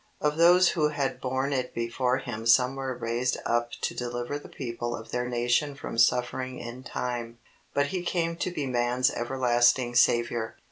Of those who had borne it before Him some were raised up to deliver the people of their nation from suffering in time, but He came to be man's everlasting Saviour.